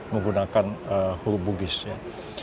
menggunakan huruf bugis ya